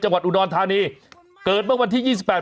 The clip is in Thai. จังหวัดอุดรธานีเกิดเมื่อวันที่ยี่สิบแปด